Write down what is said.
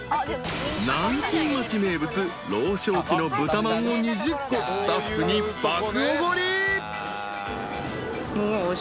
［南京町名物老祥記の豚まんを２０個スタッフに爆おごり］